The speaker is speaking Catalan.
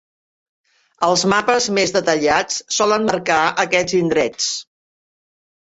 Els mapes més detallats solen marcar aquests indrets.